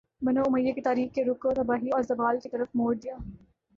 بنو امیہ کی تاریخ کے رخ کو تباہی اور زوال کی طرف موڑ دیا